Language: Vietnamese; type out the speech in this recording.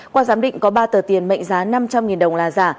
qua giám định có ba tờ tiền mệnh giá năm trăm linh đồng là giả